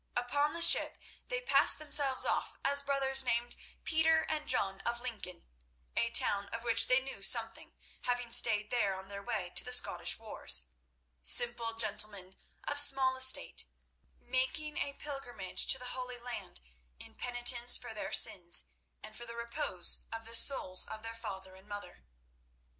Upon the ship they passed themselves off as brothers named Peter and John of Lincoln, a town of which they knew something, having stayed there on their way to the Scottish wars; simple gentlemen of small estate, making a pilgrimage to the Holy Land in penitence for their sins and for the repose of the souls of their father and mother.